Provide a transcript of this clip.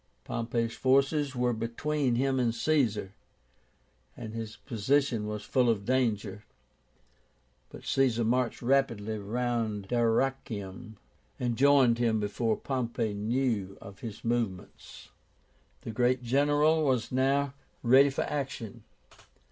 Pompey's forces were between him and Caesar, and his position was full of danger; but Caesar marched rapidly round Dyrrachium, and joined him before Pompey knew of his movements. The great general was now ready for action.